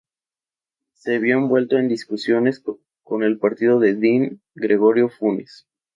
Se vio envuelto en discusiones con el partido del Deán Gregorio Funes.